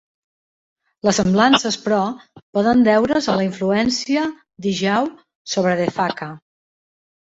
Les semblances, però, poden deure's a la influència d'Ijaw sobre Defaka.